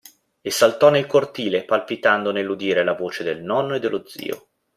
E saltò nel cortile palpitando nell'udire la voce del nonno e dello zio.